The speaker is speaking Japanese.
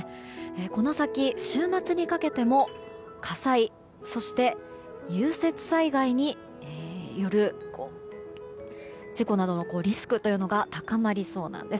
この先、週末にかけても火災、そして融雪災害による事故などのリスクが高まりそうなんです。